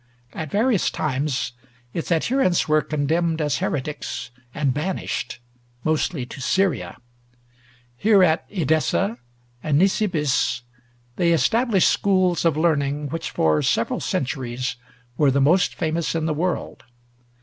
At various times its adherents were condemned as heretics and banished, mostly to Syria. Here, at Edessa and Nisibis, they established schools of learning which for several centuries were the most famous in the world.